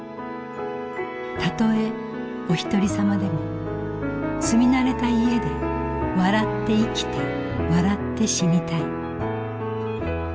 たとえおひとりさまでも住み慣れた家で笑って生きて笑って死にたい。